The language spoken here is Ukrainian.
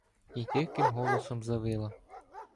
І диким голосом завила: